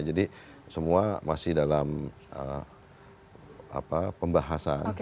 jadi semua masih dalam pembahasan